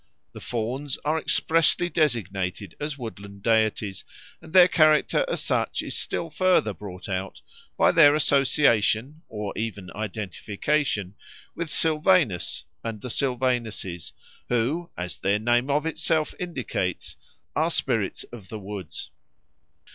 The Fauns are expressly designated as woodland deities; and their character as such is still further brought out by their association, or even identification, with Silvanus and the Silvanuses, who, as their name of itself indicates, are spirits of the woods.